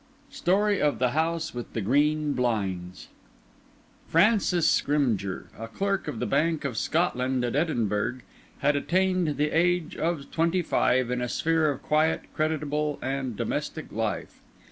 STORY OF THE HOUSE WITH THE GREEN BLINDS Francis Scrymgeour, a clerk in the Bank of Scotland at Edinburgh, had attained the age of twenty five in a sphere of quiet, creditable, and domestic life.